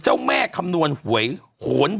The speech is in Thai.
เป็นการกระตุ้นการไหลเวียนของเลือด